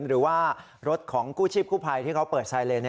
หรือว่ารถของกู้ชีพกู้ภัยที่เขาเปิดไซเลน